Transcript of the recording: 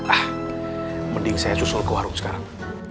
ah mending saya susul ke warung sekarang